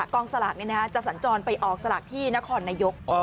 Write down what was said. กองสลากจะสัญจรไปออกสลากที่นครนายก